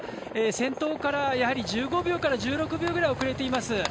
先頭からやはり１５秒から１６秒ぐらい遅れています。